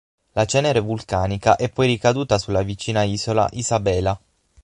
La cenere vulcanica è poi ricaduta sulla vicina isola Isabela.